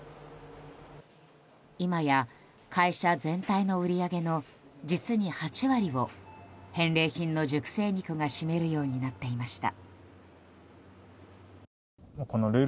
今や、会社全体の売り上げの実に８割を返礼品の熟成肉が占めるようになっていました。